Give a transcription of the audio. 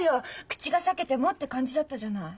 口が裂けてもって感じだったじゃない。